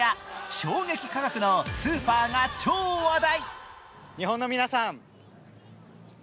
衝撃価格のスーパーが超話題。